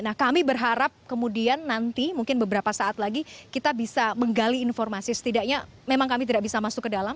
nah kami berharap kemudian nanti mungkin beberapa saat lagi kita bisa menggali informasi setidaknya memang kami tidak bisa masuk ke dalam